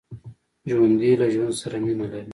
ژوندي له ژوند سره مینه لري